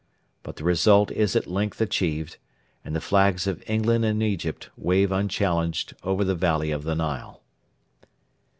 But the result is at length achieved, and the flags of England and Egypt wave unchallenged over the valley of the Nile.